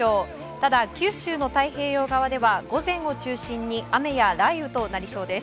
ただ、九州の太平洋側では午前を中心に雨や雷雨となりそうです。